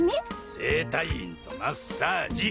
整体院とマッサージ。